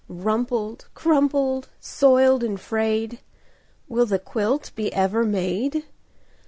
Rumpled, crumpled, soiled, and frayed— Will the quilt be ever made?